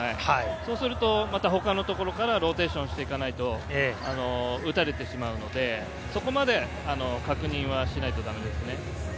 そこにも他のところからローテーションしていかないと打たれてしまうのでそこまで確認はしないとだめですね。